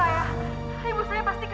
ibu saya pasti khawatir dia lagi sakit